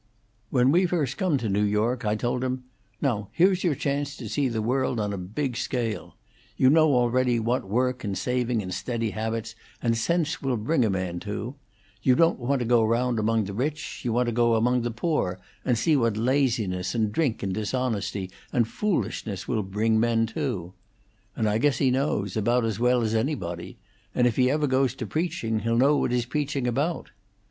"When we first come to New York, I told him, Now here's your chance to see the world on a big scale. You know already what work and saving and steady habits and sense will bring a man, to; you don't want to go round among the rich; you want to go among the poor, and see what laziness and drink and dishonesty and foolishness will bring men to. And I guess he knows, about as well as anybody; and if he ever goes to preaching he'll know what he's preaching about."